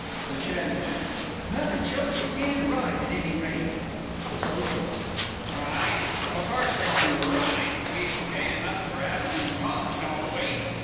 THE CHATTY MAN. Well, it shows they can ride, at any rate. THE SOCIALIST. Ride? O' course they can ride we pay enough for 'aving 'em taught, don't we?